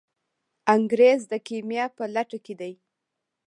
انګریز د کیمیا په لټه کې دی.